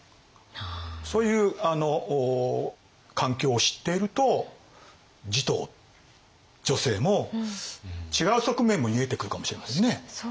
そういう環境を知っていると持統女性も違う側面も見えてくるかもしれませんね。